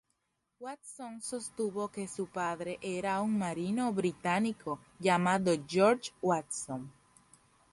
Watson sostuvo que su padre era un marino británico llamado George Watson.